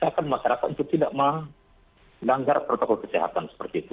atau masyarakat untuk tidak melanggar protokol kesehatan seperti itu